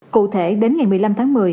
cụ thể đến ngày một mươi năm tháng một mươi